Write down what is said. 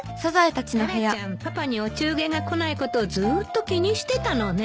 タラちゃんパパにお中元が来ないことをずっと気にしてたのね。